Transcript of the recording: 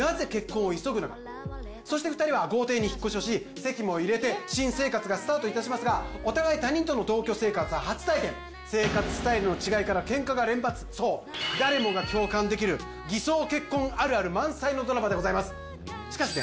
そして２人は豪邸に引っ越しをし籍も入れて新生活がスタートいたしますがお互い他人との同居生活は初体験生活スタイルの違いからケンカが連発そう誰もが共感できるのドラマでございますしかしね